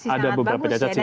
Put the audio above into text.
ada beberapa jacat sih